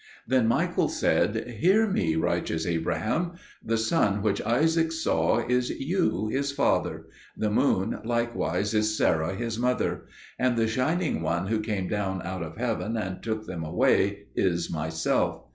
Then Michael said, "Hear me, righteous Abraham. The sun which Isaac saw is you, his father; the moon likewise is Sarah, his mother; and the shining one who came down out of heaven and took them away is myself.